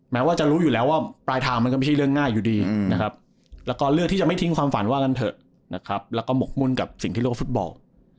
แม้ว่าจะรู้อยู่แล้วว่าปลายทางมันก็ไม่ใช่เรื่องง่ายอยู่ดีนะครับแล้วก็เลือกที่จะไม่ทิ้งความฝันว่ากันเถอะนะครับแล้วก็หมกมุ่นกับสิ่งที่โลกฟุตบอล